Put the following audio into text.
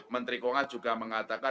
menteri kongas juga mengatakan